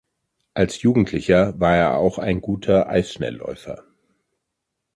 Als Jugendlicher war er auch ein guter Eisschnellläufer.